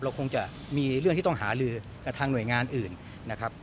คงจะมีเรื่องที่ต้องหาลือกับทางหน่วยงานอื่นนะครับ